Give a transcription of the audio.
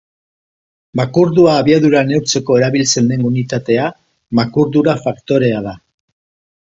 Makurdura-abiadura neurtzeko erabiltzen den unitatea makurdura-faktorea da.